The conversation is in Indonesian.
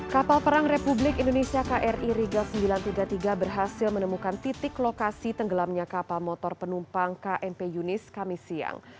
kapal perang republik indonesia kri rigel sembilan ratus tiga puluh tiga berhasil menemukan titik lokasi tenggelamnya kapal motor penumpang kmp yunis kami siang